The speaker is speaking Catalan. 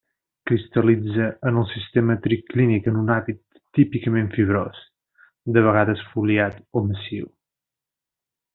Cristal·litza en el sistema triclínic en un hàbit típicament fibrós, de vegades foliat o massiu.